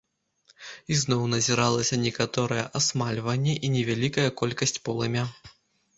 Ізноў назіралася некаторае асмальванне і невялікая колькасць полымя.